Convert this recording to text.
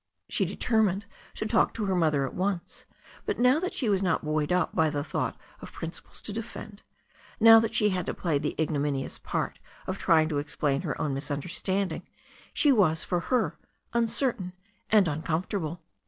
She determined to talk to her mother at once, but now that she was not buoyed up by the thought of principles to defend, now that she had to play the ignominious part of trying to explain her own misunderstanding, she was, for her, un certain and uncomfortable.